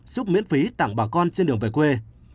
xúc miễn phí tặng bà con trên đường về quê